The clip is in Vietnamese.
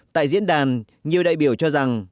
tại diễn đàn nhiều đại biểu cho rằng